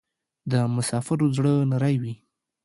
د مسافرو زړه نری وی